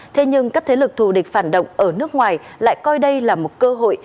thế nhưng các thế lực thù địch phản động ở nước ngoài lại coi đây là một cơ hội